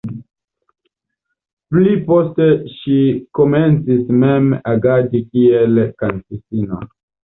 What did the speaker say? Pli poste ŝi komencis mem agadi kiel kantistino.